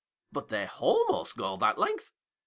' but they almost go that length.